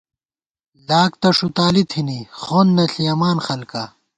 لاک تہ ݭُتالی تھی خَون نہ ݪِیَمان خَلکا